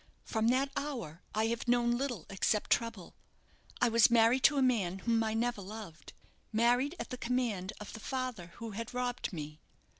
From that hour I have known little except trouble. I was married to a man whom I never loved married at the command of the father who had robbed me.